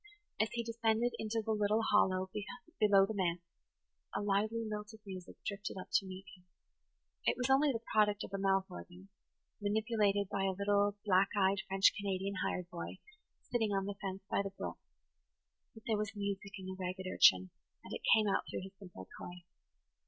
As he descended into the little hollow below the manse a lively lilt of music drifted up to meet him. It was only the product of a mouth organ, manipulated by a little black eyed, French Canadian hired boy, sitting on the fence by the brook; but there was music in the ragged urchin and it came out through his simple toy.